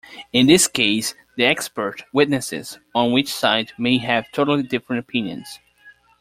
In this case, the expert witnesses on each side may have totally different opinions.